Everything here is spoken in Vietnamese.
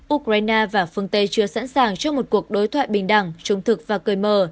ukraine và phương tây chưa sẵn sàng cho một cuộc đối thoại bình đẳng trung thực và cười mờ